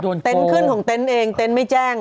โดนโก่งเต้นขึ้นของเต้นเองเต้นไม่แจ้ง